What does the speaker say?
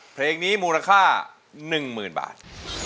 เพลงนี้มูลค่า๑๐๐๐บาท